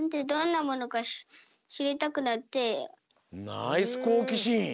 ナイスこうきしん！